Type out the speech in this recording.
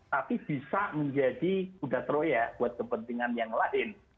tapi bisa menjadi kuda troya buat kepentingan yang lain